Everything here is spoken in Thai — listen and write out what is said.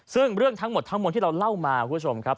ซึ่งเรื่องทั้งหมดทั้งมวลที่เราเล่ามาคุณผู้ชมครับ